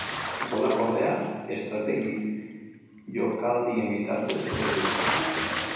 Golak, ordea, estrategi jokaldien bitartez etorri dira.